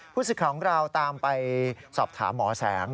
สิทธิ์ของเราตามไปสอบถามหมอแสง